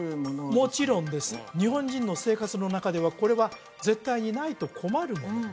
もちろんです日本人の生活の中ではこれは絶対にないと困るもの